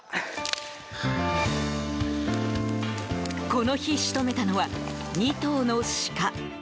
この日、仕留めたのは２頭のシカ。